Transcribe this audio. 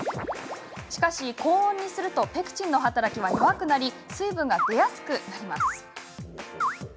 しかし、高温にするとペクチンの働きは弱くなり水分が出やすくなります。